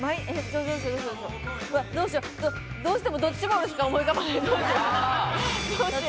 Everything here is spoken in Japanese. どうしよう、どうしてもドッジボールしか思い浮かばない。